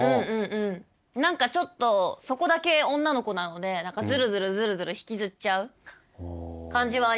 何かちょっとそこだけ女の子なのでズルズルズルズル引きずっちゃう感じはありますね。